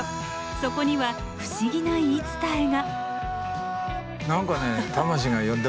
そこには不思議な言い伝えが。